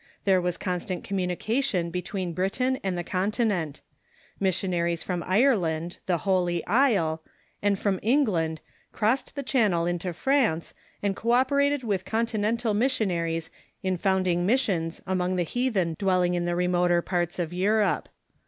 There was constant communication between Britain and the Continent. Mission aries from Ireland, the " Holy Isle," and from England, crossed the Channel into France, and co operated with Continental mis sionaries in founding missions among the heathen dwelling in the remoter parts of Europe.